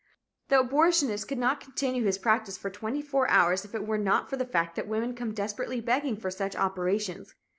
The abortionist could not continue his practice for twenty four hours if it were not for the fact that women come desperately begging for such operations.